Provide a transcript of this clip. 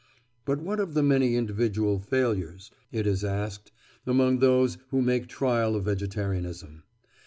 But what of the many individual failures, it is asked, among those who make trial of vegetarianism?